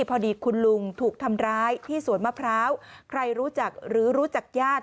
พอดีคุณลุงถูกทำร้ายที่สวนมะพร้าวใครรู้จักหรือรู้จักญาติ